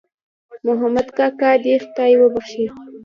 محمود کاکا دې خدای وبښي